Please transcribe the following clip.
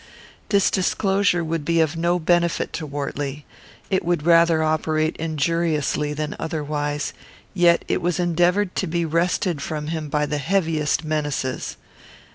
This disclosure would be of no benefit to Wortley. It would rather operate injuriously than otherwise; yet it was endeavoured to be wrested from him by the heaviest menaces.